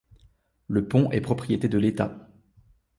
Le pont est propriété de l'État.